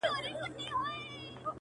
زما له زړه یې جوړه کړې خېلخانه ده!